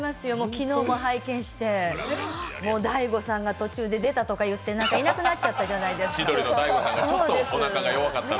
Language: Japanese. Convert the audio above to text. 昨日も拝見して、大悟さんが出たとか言っていなくなっちゃったじゃないですか。